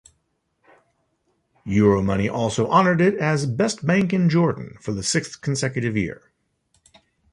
Euromoney also honored it as "Best Bank in Jordan" for the sixth consecutive year.